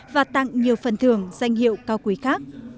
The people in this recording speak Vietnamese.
và tặng nhiều phần thưởng danh hiệu cao quý khác